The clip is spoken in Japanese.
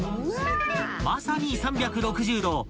［まさに３６０度］